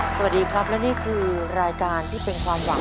สวัสดีครับและนี่คือรายการที่เป็นความหวัง